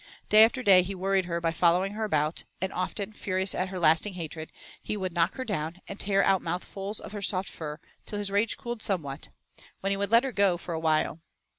Day after day he worried her by following her about, and often, furious at her lasting hatred, he would knock her down and tear out mouthfuls of her soft fur till his rage cooled somewhat, when he would let her go for a while.